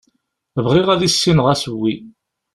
Bɣiɣ ad issineɣ asewwi.